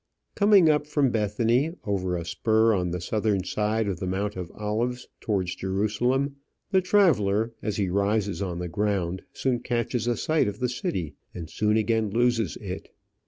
Coming up from Bethany, over a spur on the southern side of the Mount of Olives, towards Jerusalem, the traveller, as he rises on the hill, soon catches a sight of the city, and soon again loses it.